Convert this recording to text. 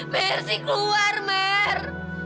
mer sih keluar mer